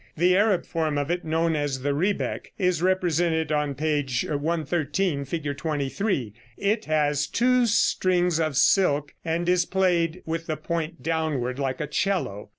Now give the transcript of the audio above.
The Arab form of it, known as the rebec, is represented on p. 113, Fig. 23. It has two strings of silk, and is played with the point downward, like a 'cello.